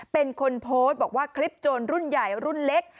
เป็นคนโพสต์บอกว่าคลิปโจรรุ่นใหญ่รุ่นเล็ก